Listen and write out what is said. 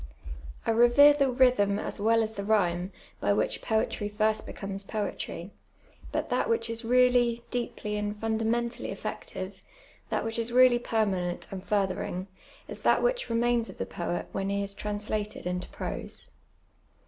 I revere the rhytlim as well as the rhyme, by which poetry first becomes poetry ; but that which is really, deeply, and fundamentally effective — that M'hich is really permanent and fui'thering, is that which remains of the poet when he is translated into prose.